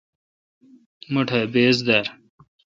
مٹھ ا بِس دہ۔